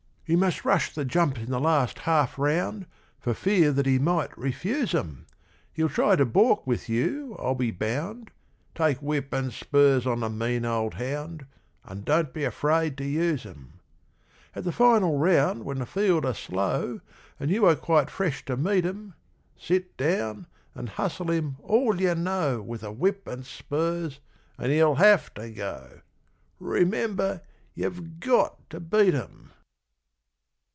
'You must rush the jumps in the last half round For fear that he might refuse 'em; He'll try to baulk with you, I'll be bound, Take whip and spurs on the mean old hound, And don't be afraid to use 'em. 'At the final round, when the field are slow And you are quite fresh to meet 'em, Sit down, and hustle him all you know With the whip and spurs, and he'll have to go Remember, you've GOT to beat 'em!'